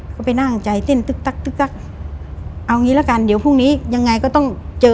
ให้ไปนั่งใจเต้นตึก